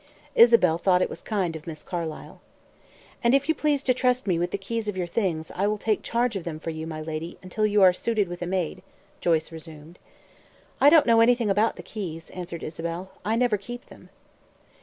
Isabel thought it was kind of Miss Carlyle. "And if you please to trust me with the keys of your things, I will take charge of them for you, my lady, until you are suited with a maid," Joyce resumed. "I don't know anything about the keys," answered Isabel; "I never keep them."